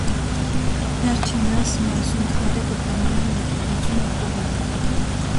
Վերջինիս մասունքները գտնվում են եկեղեցու նկուղում։